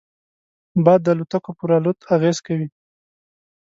باد د الوتکو پر الوت اغېز کوي